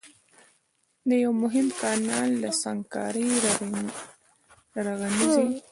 د يوه مهم کانال د سنګکارۍ رغنيزي